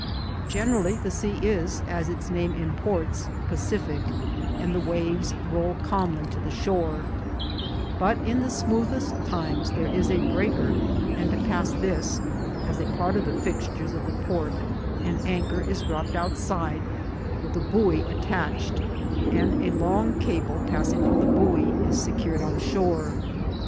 Generajly the sea is, as its name imports^ pacific, and the waves roll calmly to the riiore; but in the smoothest times there is a breaker, and to pass this, as a part of the fixtures of the pcMTt, an anchor is dropped outside, with a buoy attach ed, and a long cable passing from the buoy is secured on shore.